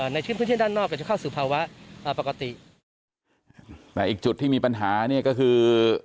ในพื้นที่ด้านนอกก็จะเข้าสู่ภาวะปกติแต่อีกจุดที่มีปัญหาเนี่ยก็คือ